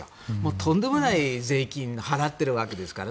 とんでもない税金を払っているわけですから。